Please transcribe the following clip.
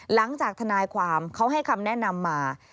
หลังจากทนายความเขาให้คำแนะนำมา